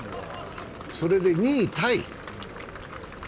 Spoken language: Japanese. それで２位タイ。